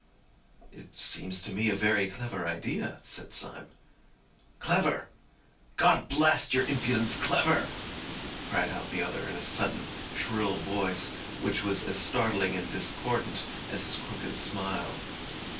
"It seems to me a very clever idea," said Syme. "Clever! God blast your impudence! Clever!" cried out the other in a sudden, shrill voice which was as startling and discordant as his crooked smile.